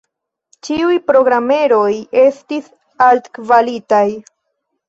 Ĉiuj programeroj estis altkvalitaj.